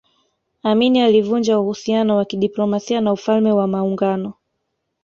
Amin alivunja uhusiano wa kidiplomasia na Ufalme wa Maungano